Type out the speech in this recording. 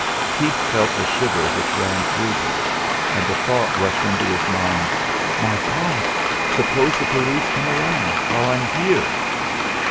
Keith felt the shiver which ran through her. And the thought rushed into his mind: 'My God! Suppose the police come round while I'm here!'